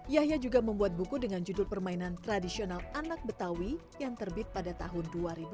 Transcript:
yahya juga membuat buku dengan judul permainan tradisional anak betawi yang terbit pada tahun dua ribu dua